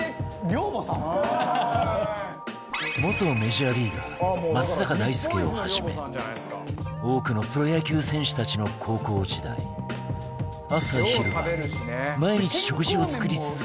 元メジャーリーガー松坂大輔をはじめ多くのプロ野球選手たちの高校時代朝昼晩毎日食事を作り続けてきたという